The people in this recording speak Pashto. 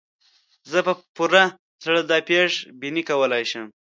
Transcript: زه په پوره زړه دا پېش بیني کولای شم.